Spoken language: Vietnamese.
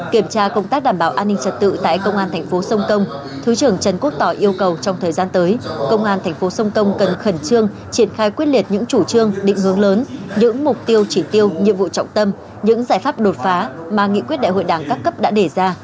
kiểm tra công tác đảm bảo an ninh trật tự tại công an thành phố sông công thứ trưởng trần quốc tỏ yêu cầu trong thời gian tới công an thành phố sông công cần khẩn trương triển khai quyết liệt những chủ trương định hướng lớn những mục tiêu chỉ tiêu nhiệm vụ trọng tâm những giải pháp đột phá mà nghị quyết đại hội đảng các cấp đã đề ra